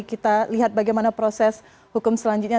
kita lihat bagaimana proses hukum selanjutnya